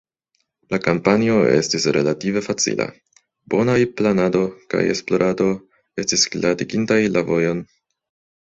La kampanjo estis relative facila; bonaj planado kaj esplorado estis glatigintaj la vojon.